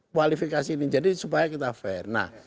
kualifikasi ini jadi supaya kita fair nah